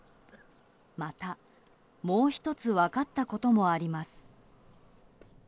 また、もう１つ分かったこともあります。